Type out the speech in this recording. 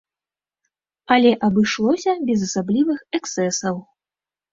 Але абышлося без асаблівых эксцэсаў.